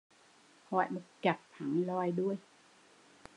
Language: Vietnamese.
Hỏi một chặp, hẳn lòi đuôi